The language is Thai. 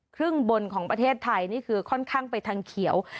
ครึ่งบนของประเทศไทยนี่คือค่อนข้างไปทางเขียว